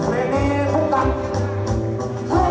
เชื่อฮึฮึฮึ